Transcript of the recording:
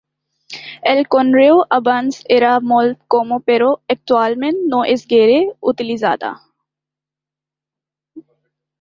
El conreu abans era molt comú però actualment no és gaire utilitzada.